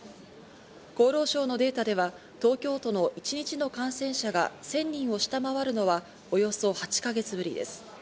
厚労省のデータでは東京都の一日の感染者が１０００人を下回るのはおよそ８か月ぶりです。